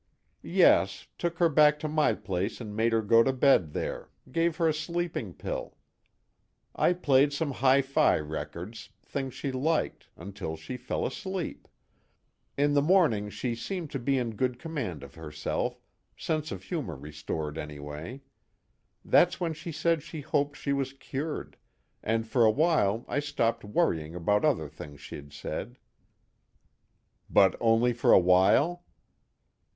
"Yes, took her back to my place and made her go to bed there, gave her a sleeping pill. I played some hi fi records, things she liked, until she fell asleep. In the morning she seemed to be in good command of herself, sense of humor restored anyway. That's when she said she hoped she was cured, and for a while I stopped worrying about other things she'd said." "But only for a while?"